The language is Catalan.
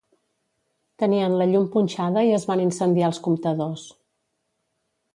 tenien la llum punxada i es van incendiar els comptadors